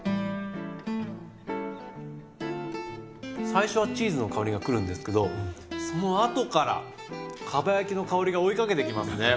最初はチーズの香りがくるんですけどそのあとからかば焼きの香りが追いかけてきますね。